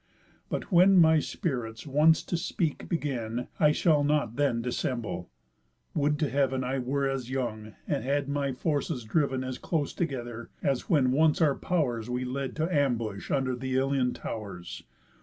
But when my spirits once to speak begin, I shall not then dissemble. Would to heav'n, I were as young, and had my forces driv'n As close together, as when once our pow'rs We led to ambush under th' Ilion tow'rs!